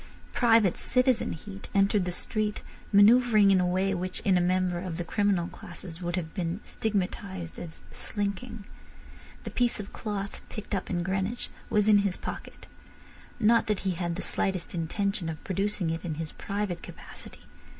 Private Citizen Heat entered the street, manoeuvring in a way which in a member of the criminal classes would have been stigmatised as slinking. The piece of cloth picked up in Greenwich was in his pocket. Not that he had the slightest intention of producing it in his private capacity.